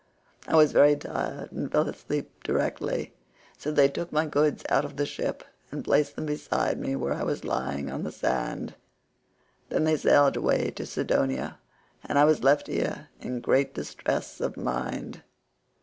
I was very tired and fell asleep directly, so they took my goods out of the ship, and placed them beside me where I was lying upon the sand. Then they sailed away to Sidonia, and I was left here in great distress of mind."